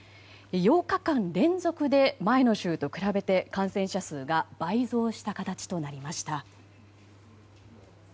８日間連続で前の週と比べて感染者数が倍増した形となりました。